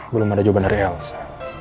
belum ada jawaban dari elsa